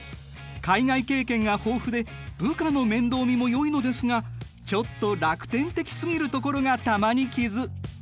海外経験が豊富で部下の面倒見もよいのですがちょっと楽天的すぎるところが玉にきず。